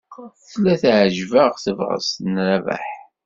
Tella teɛjeb-aɣ tebɣest n Rabaḥ.